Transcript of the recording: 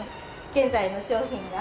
現在の商品が。